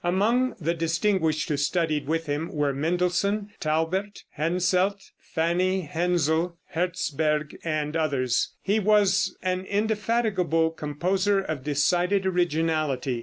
Among the distinguished who studied with him were Mendelssohn, Taubert, Henselt, Fanny Hensel, Herzsberg, and others. He was an indefatigable composer of decided originality.